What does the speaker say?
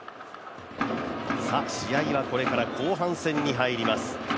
試合はこれから後半戦に入ります。